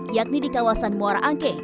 yakni di kawasan muara angke